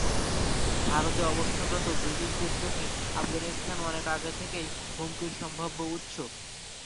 ভারতে অবস্থানরত ব্রিটিশদের চোখে, আফগানিস্তান অনেক আগে থেকেই হুমকির সম্ভাব্য উৎস।